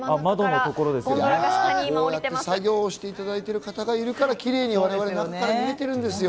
こうやって作業していただいている方がいるから、我々キレイに見られているんですよ。